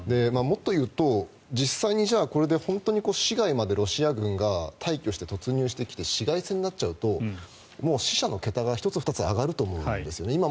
もっと言うと実際にこれで市街までロシア軍が大挙して突入してきて市街戦になっちゃうと死者の桁が１つ、２つ上がると思うんですね。